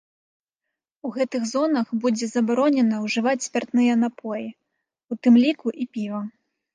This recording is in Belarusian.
У гэтых зонах будзе забаронена ўжываць спіртныя напоі, у тым ліку і піва.